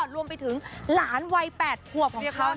รวมไปถึงหลานวัยแปดผัวของเขานั่นเอง